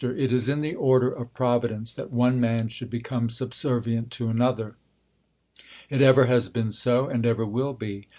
It is in the order of Providence that one man should become subservient to another. It ever has bee.: so, and ever v.^ill be.